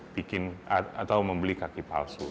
bikin atau membeli kaki palsu